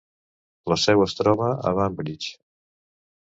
La seu es troba a Banbridge.